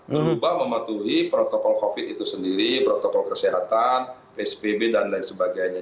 berubah mematuhi protokol covid itu sendiri protokol kesehatan psbb dan lain sebagainya